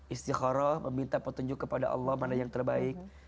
istiqoroh meminta petunjuk kepada allah mana yang terbaik